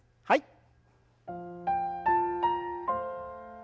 はい。